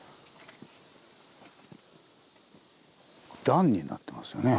段になってますよね。